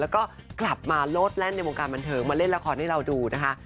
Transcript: แล้วก็กลับมาโลดแล่นในวงการบันเทิงมาเล่นละครให้เราดูนะคะ